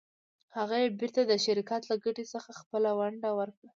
هغه یې بېرته د شرکت له ګټې څخه خپله ونډه ورکړه.